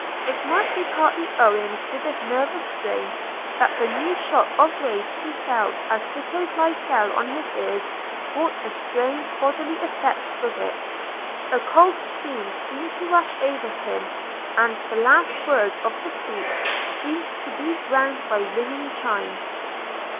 It might be partly owing to this nervous strain that the new shock of rage he felt as Tito's lie fell on his ears brought a strange bodily effect with it: a cold stream seemed to rush over him, and the last words of the speech seemed to be drowned by ringing chimes.